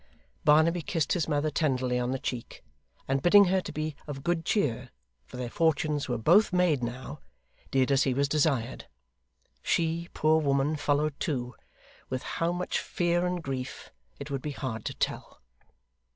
Barnaby kissed his mother tenderly on the cheek, and bidding her be of good cheer, for their fortunes were both made now, did as he was desired. She, poor woman, followed too with how much fear and grief it would be hard to tell.